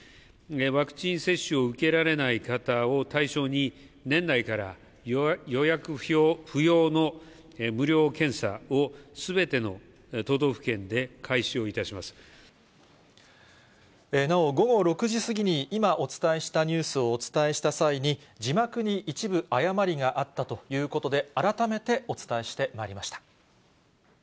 ワクチン接種を受けられない方を対象に、年内から予約不要の無料検査をすべての都道府県で開始をいたしまなお、午後６時過ぎに、今、お伝えしたニュースをお伝えした際に、字幕に一部誤りがあったということで、改めてお伝えしてまいりました。